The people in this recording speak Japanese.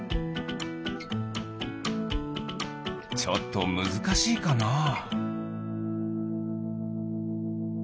ちょっとむずかしいかな？